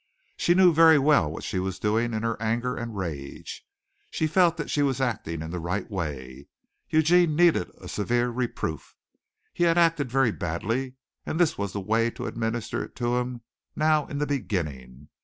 She knew very well what she was doing in her anger and rage. She felt that she was acting in the right way. Eugene needed a severe reproof; he had acted very badly, and this was the way to administer it to him now in the beginning.